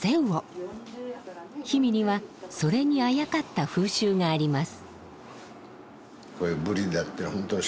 氷見にはそれにあやかった風習があります。